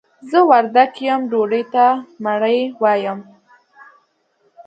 زه وردګ يم ډوډۍ ته مړۍ وايم.